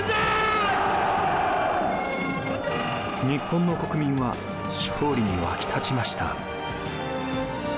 日本の国民は勝利に沸き立ちました。